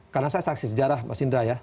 karena saya saksi sejarah mas indra ya